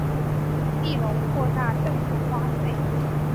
庇隆扩大政府花费。